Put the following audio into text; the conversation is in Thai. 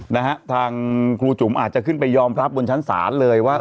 นะฮะทางครูจุ๋มอาจจะขึ้นไปยอมรับบนชั้นศาลเลยว่า